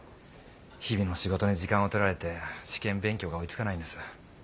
日々の仕事に時間を取られて試験勉強が追いつかないんです。